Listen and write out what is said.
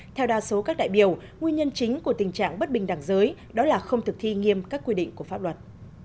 theo đa số các đại biểu nguyên nhân chính của tình trạng bất bình đẳng giới đó là không thực thi nghiêm các quy định của pháp luật